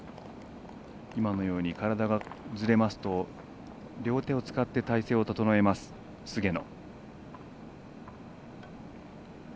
今のように体がずれますと両手を使って体勢を整える菅野。